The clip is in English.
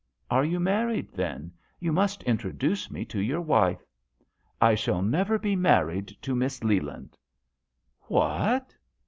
" Are you married, then ? You must introduce me to your wife." " I shall never be married to Miss Leland." " What